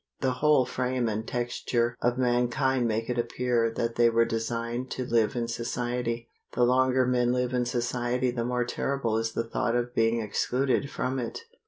The whole frame and texture of mankind make it appear that they were designed to live in society. The longer men live in society the more terrible is the thought of being excluded from it.